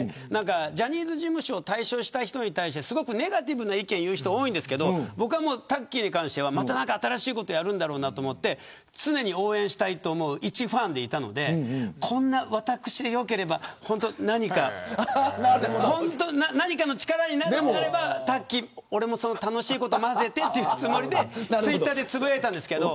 ジャニーズ事務所を退所した人に対してネガティブな意見を言う人が多いですけどタッキーに関しては新しいことをやるだろうと思って常に応援したいと思ういちファンだったのでこんな私でよければ何かの力になれば俺も楽しいことまぜてというつもりでつぶやいたんですけど